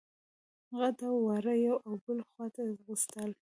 غټ او واړه يوې او بلې خواته ځغاستل.